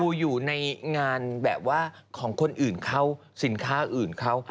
อยู่ในงานแบบว่าของคนอื่นเขาสินค้าอื่นเขา